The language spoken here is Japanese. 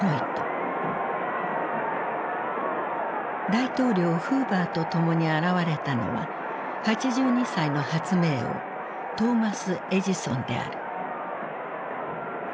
大統領フーバーと共に現れたのは８２歳の発明王トーマス・エジソンである。